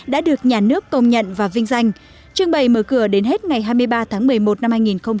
đã được nhà nước công nhận và vinh danh trưng bày mở cửa đến hết ngày hai mươi ba tháng một mươi một năm hai nghìn một mươi chín